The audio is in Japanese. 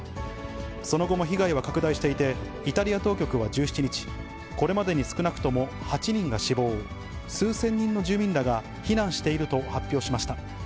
その後も被害は拡大していて、イタリア当局は１７日、これまでに少なくとも８人が死亡、数千人の住民らが避難していると発表しました。